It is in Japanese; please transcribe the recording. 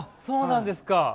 そうなんですか。